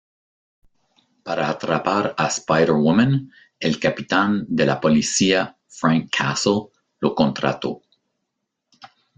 Para atrapar a Spider-Woman, el capitán de la policía Frank Castle lo contrató.